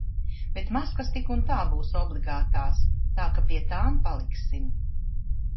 Bet maskas tik un tā būs obligātās, tā ka pie tām paliksim.